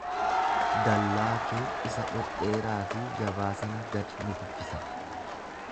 Dallaa kee isa dhedheeraa fi jabaa sana gad ni kuffisa.